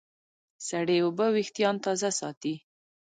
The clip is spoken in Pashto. سړې اوبه وېښتيان تازه ساتي.